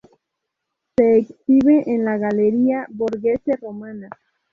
Se exhibe en la Galería Borghese, Roma.